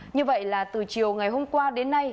như vậy là từ chiều ngày hôm qua đến nay